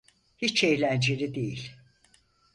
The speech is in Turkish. Hiç eğlenceli değil.